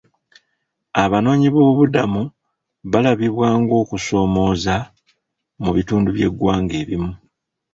Abanoonyiboobubudamu balabibwa ng'okusoomooza mu bitundu by'eggwanga ebimu.